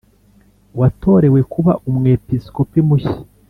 watorewe kuba Umwepiskopi mushya